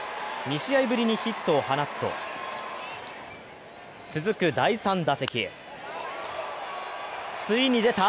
２試合ぶりにヒットを放つと、続く第３打席、ついに出た！